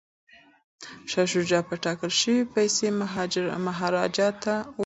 شاه شجاع به ټاکل شوې پیسې مهاراجا ته ورکوي.